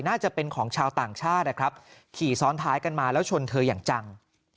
น่าจะเป็นของชาวต่างชาตินะครับขี่ซ้อนท้ายกันมาแล้วชนเธออย่างจัง